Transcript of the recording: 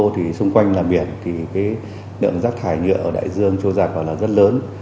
thì xung quanh là biển thì cái lượng rác thải nhựa ở đại dương châu giặc là rất lớn